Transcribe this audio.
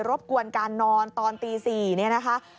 บกวนการนอนตอนตี๔เนี่ยนะคะ